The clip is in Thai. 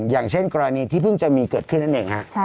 อย่างเช่นกรณีที่เพิ่งจะมีเกิดขึ้นนั่นเองฮะ